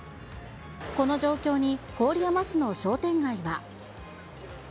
この状況に、郡山市の商店街は。